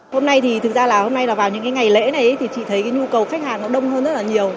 hôm nay thì thực ra là hôm nay là vào những ngày lễ này thì chị thấy cái nhu cầu khách hàng nó đông hơn rất là nhiều